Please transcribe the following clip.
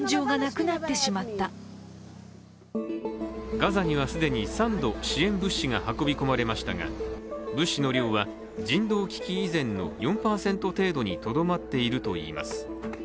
ガザには既に３度支援物資が運び込まれましたが物資の量は人道危機以前の４％程度にとどまっているといいます。